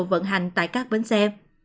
vận hành tại các bến xe